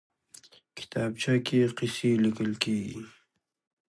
کتابچه کې قصې لیکل کېږي